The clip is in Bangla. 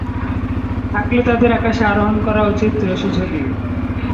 থাকলে তাদের আকাশে আরোহণ করা উচিত রশি ঝুলিয়ে।